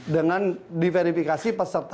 dengan diverifikasi peserta